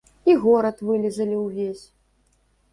І горад вылізалі ўвесь.